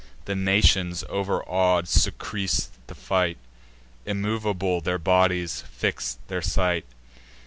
The nations, overaw'd, surcease the fight; Immovable their bodies, fix'd their sight.